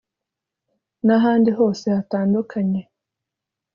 n’ahandi hose hatandukanye